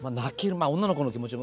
まあ女の子の気持ちも。